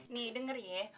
nih denger ya